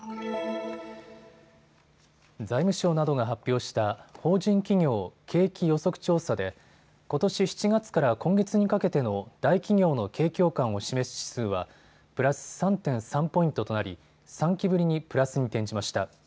財務省などが発表した法人企業景気予測調査でことし７月から今月にかけての大企業の景況感を示す指数はプラス３．３ポイントとなり３期ぶりにプラスに転じました。